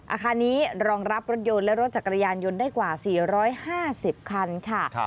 อาคารนี้รองรับรถยนต์และรถจักรยานยนต์ได้กว่า๔๕๐คันค่ะ